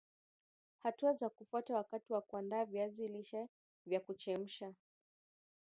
Hatua za kufuata wakati wa kuaanda viazi lishe vya kuchemsha